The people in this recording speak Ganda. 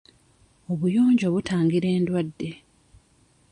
Obuyonjo butangira endwadde .